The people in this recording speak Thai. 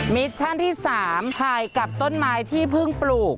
มิชชั่นที่๓ถ่ายกับต้นไม้ที่เพิ่งปลูก